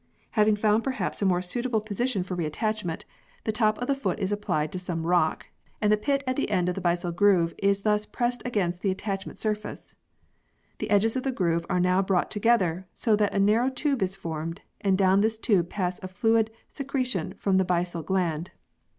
Having found perhaps a more suitable in] THE PEARL OYSTER 29 position for re attachment, the top of the foot is applied to some rock, and the pit at the end of the byssal groove is thus pressed against the attachment surface. The edges of the groove are now brought together, so that a narrow tube is formed, and down this tube passes a fluid secretion from the byssal gland.